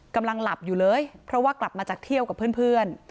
กำลังหลับอยู่เลยเพราะว่ากลับมาจากเที่ยวกับเพื่อน